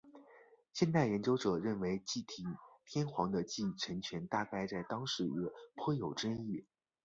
现代研究者认为继体天皇的继承权大概在当时也颇有争议。